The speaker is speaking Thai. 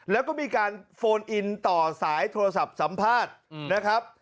แล้วก็มีการโฟนอินต่อสายโทรศัพท์สัมภาษณ์นะครับ